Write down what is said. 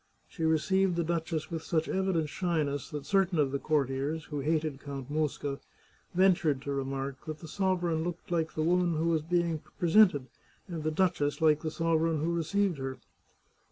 She received the duchess with such evident shyness that certain of the courtiers, who hated Count Mosca, ventured to remark that the sovereign looked like the woman who was being presented, and the duchess like the sovereign who received her.